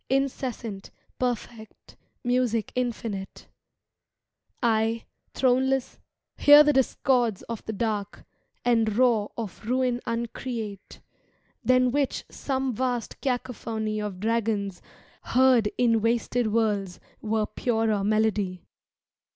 Incessant, perfect, music infinite: I, throneless, hear the discords of the dark. < I — OooO And roar of ruin imcreate, than which Some vast cacophony of dragons, heard In wasted worlds, were purer melody.